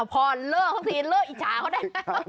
อ้าวพรเลือกครั้งทีเลือกอิจฉาเขาได้